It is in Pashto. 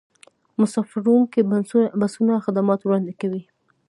مسافروړونکي بسونه خدمات وړاندې کوي